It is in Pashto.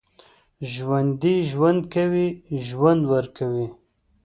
ژوندي ژوند کوي، ژوند ورکوي